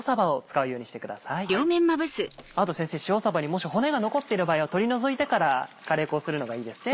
もし骨が残っている場合は取り除いてからカレー粉をするのがいいですね。